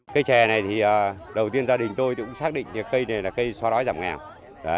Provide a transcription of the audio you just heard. cây trè này thì đầu tiên gia đình tôi cũng xác định được cây này là cây xóa đói giảm nghèo